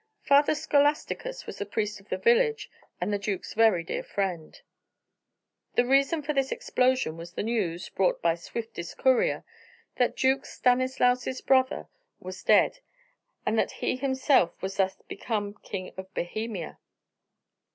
Father Scholasticus was the priest of the village, and the duke's very dear friend. The reason for this explosion was the news, brought by swiftest courier, that Duke Stanislaus' brother was dead, and that he himself was thus become King of Bohemia.